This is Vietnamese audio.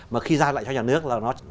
mà khi giao lại cho nhà nước